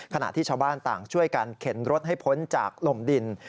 ขณะที่ชาวบ้านต่างช่วยกันเข็นรถให้พ้นจากลมดิน